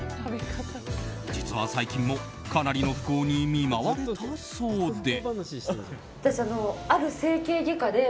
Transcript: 実は最近もかなりの不幸に見舞われたそうで。